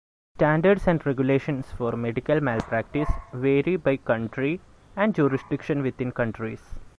Standards and regulations for medical malpractice vary by country and jurisdiction within countries.